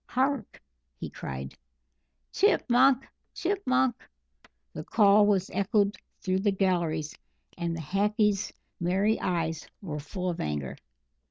"Hark!" he cried. "Chip munk chip munk!" The call was echoed through the galleries, and the Hackee's merry eyes were full of anger.